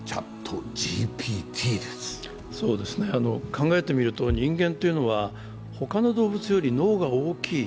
考えてみると人間っていうのは他の動物より脳が大きい。